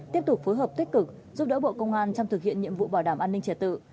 tiếp tục phối hợp tích cực giúp đỡ bộ công an trong thực hiện nhiệm vụ bảo đảm an ninh trẻ tự